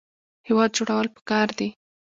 هیواد جوړول پکار دي